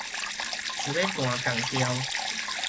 想欲彈仝調